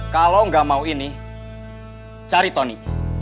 kalau nggak mau ini cari tony